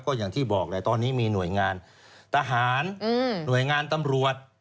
ก็อย่างที่บอกแหละตอนนี้มีหน่วยงานทหารหน่วยงานตำรวจ